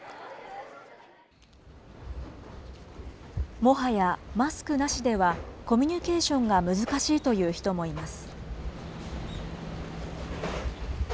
もはや、マスクなしではコミュニケーションが難しいという人もいます。